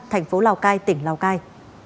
thành phố lào cai tỉnh lào cai